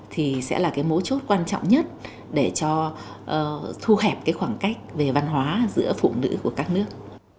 thì sẽ là cái mấu chốt quan trọng nhất để cho thu hẹp cái khoảng cách về văn hóa giữa phụ nữ của các nước